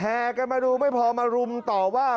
กันมาดูไม่พอมารุมต่อว่า